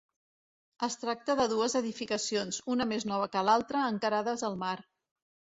Es tracta de dues edificacions, una més nova que l'altre, encarades al mar.